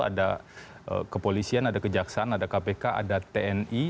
ada kepolisian ada kejaksaan ada kpk ada tni